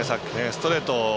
ストレート